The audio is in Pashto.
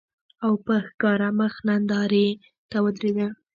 او په ښکاره مخ نندارې ته ودرېده